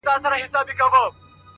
حقیقت د وخت په تېرېدو څرګندېږي؛